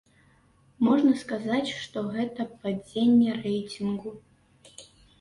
Можна сказаць, што гэта падзенне рэйтынгу.